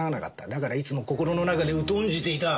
だからいつも心の中で疎んじていた。